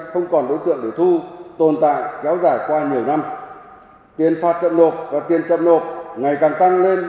không còn đối tượng để thu tồn tại kéo dài qua nhiều năm tiền phạt chậm nộp và tiền chậm nộp ngày càng tăng lên